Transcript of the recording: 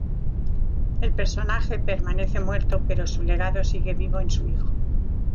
El personaje permanece muerto, pero su legado sigue vivo en su hijo.